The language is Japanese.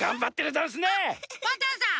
パンタンさん